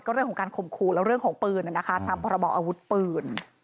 ก็เรื่องของการคมครูและเรื่องของปืนนะคะทำประบอบอาวุธปืน